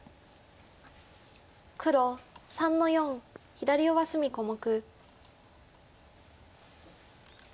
黒３の四左上隅小目。